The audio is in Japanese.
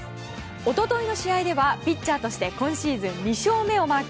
一昨日の試合ではピッチャーとして今シーズン２勝目をマーク。